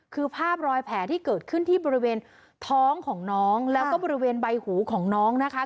คือภาพรอยแผลที่เกิดขึ้นที่บริเวณท้องของน้องแล้วก็บริเวณใบหูของน้องนะคะ